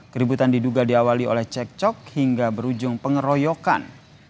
keributan diduga diawali oleh cek cok hingga berujung pengeroyokan